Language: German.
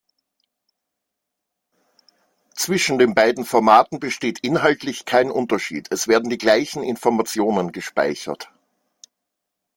Zwischen den beiden Formaten besteht inhaltlich kein Unterschied; es werden die gleichen Informationen gespeichert.